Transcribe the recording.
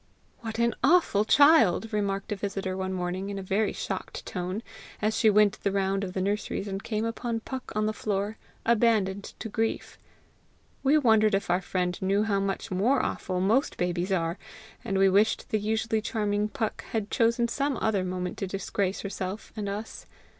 "What an awful child!" remarked a visitor one morning, in a very shocked tone, as she went the round of the nurseries and came upon Puck on the floor abandoned to grief. We wondered if our friend knew how much more awful most babies are, and we wished the usually charming Puck had chosen some other moment to disgrace herself and us.